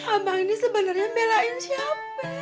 abang ini sebenarnya belain siapa